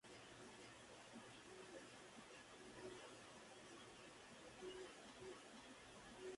Allí se hace un recorrido por las mansiones de las celebridades.